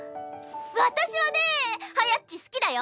私はねはやっち好きだよ！